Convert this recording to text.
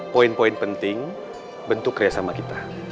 poin poin penting bentuk kerjasama kita